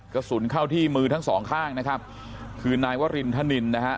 กระสุนเข้าที่มือทั้งสองข้างนะครับคือนายวรินทนินนะฮะ